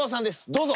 どうぞ。